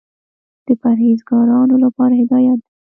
د پرهېزګارانو لپاره هدایت دى.